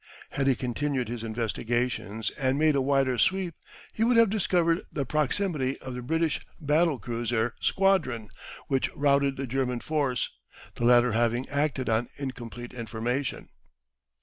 Had he continued his investigations and made a wider sweep he would have discovered the proximity of the British battle cruiser squadron which routed the German force, the latter having acted on incomplete information.